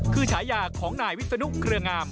คือฉายาของนายวิศนุเครืองาม